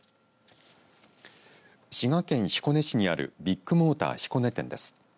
滋賀県彦根市にあるビッグモーター彦根店です。